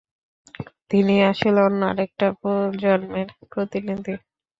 তিনি আসলে অন্য আরেকটা প্রজন্মের প্রতিনিধি!